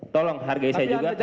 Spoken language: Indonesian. tolong hargai saya juga